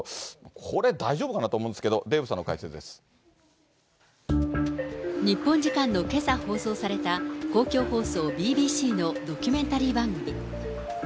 これ、大丈夫かなと思うんですけど、日本時間のけさ放送された、公共放送ＢＢＣのドキュメンタリー番組。